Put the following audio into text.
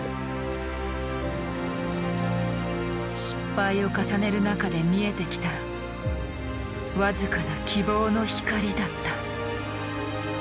失敗を重ねる中で見えてきた僅かな希望の光だった。